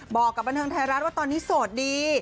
บอกกับบันเทิงไทยรัฐว่าตอนนี้โสดดี